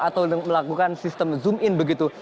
atau melakukan sistem zoom in begitu